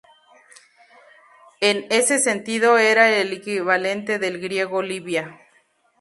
En ese sentido era el equivalente del griego Libia.